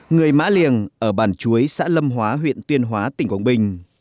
người mã liềng ở bản chuối xã lâm hóa huyện tuyên hóa tỉnh quảng bình